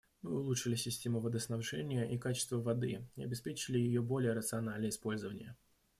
Мы улучшили систему водоснабжения и качество воды и обеспечили ее более рациональное использование.